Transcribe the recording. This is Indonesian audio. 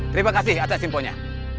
terima kasih atas simponya